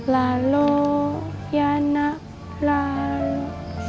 lalu yanak lalu